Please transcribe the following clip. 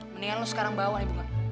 mendingan lu sekarang bawa nih bunga